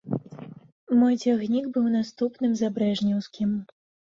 Мой цягнік быў наступным за брэжнеўскім.